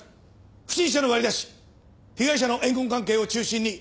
不審者の割り出し被害者の怨恨関係を中心に捜査を進める。